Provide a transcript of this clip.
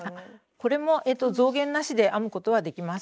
これも増減なしで編むことはできます。